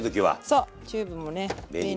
そうチューブもね便利。